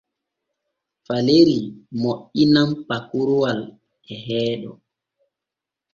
Falerii moƴƴinan pakoroowal e heeɗo.